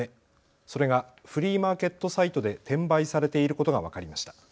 それがフリーマーケットサイトで転売されていることが分かりました。